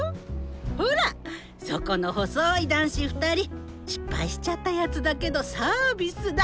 ほらそこの細い男子２人失敗しちゃったやつだけどサービスだ。